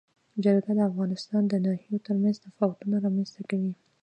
جلګه د افغانستان د ناحیو ترمنځ تفاوتونه رامنځ ته کوي.